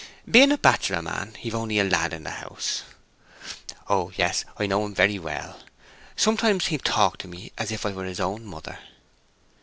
Being a bachelor man, he've only a lad in the house. Oh yes, I know him very well. Sometimes he'll talk to me as if I were his own mother."